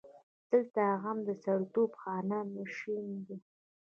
دلته غم د سړیتوب خانه نشین دی.